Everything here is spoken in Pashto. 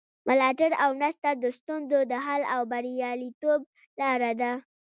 ملاتړ او مرسته د ستونزو د حل او بریالیتوب لاره ده.